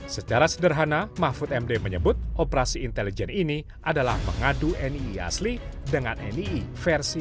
secara sederhana mahfud md menyebut operasi intelijen ini adalah mengadu nii